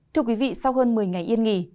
thưa quý vị sau hơn một mươi ngày yên nghỉ